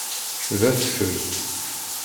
D adfel.